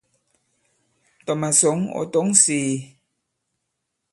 Tɔ̀ màsɔ̌ŋ ɔ̀ tɔ̌ŋ sēē.